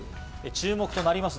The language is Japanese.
注目となります